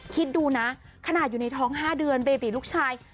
คิดดูนะขนาดอยู่ในท้อง๕เดือนเบบีลูกชาย